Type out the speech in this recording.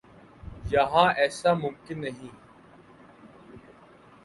یہاں ایسا ممکن نہیں۔